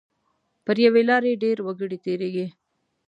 پر یوې لارې ډېر وګړي تېریږي.